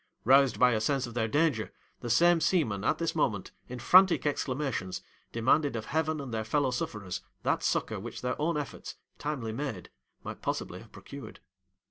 Roused by a sense of their danger, the same seamen, at this moment, in frantic exclamations, demanded of heaven and their fellow sufferers that succour which their own efforts, timely made, might possibly have procured.